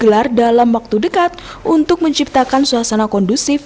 di gelar dalam waktu dekat untuk menciptakan suasana kondusif